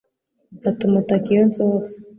Mfata umutaka iyo nsohotse.